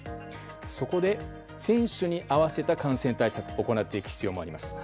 そこで、選手に合わせた感染対策を行っていく必要もあります。